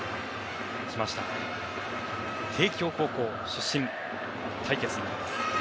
帝京高校出身対決になります。